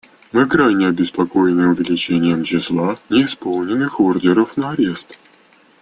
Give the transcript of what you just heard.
Мы крайне обеспокоены увеличением числа неисполненных ордеров на арест.